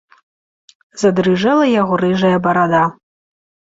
Задрыжэла яго рыжая барада.